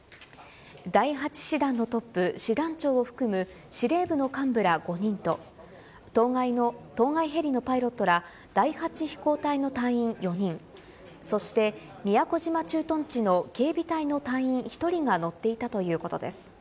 第８師団のトップ、師団長を含む司令部の幹部ら５人と、当該ヘリのパイロットら、第８飛行隊の隊員４人、そして宮古島駐屯地の警備隊の隊員１人が乗っていたということです。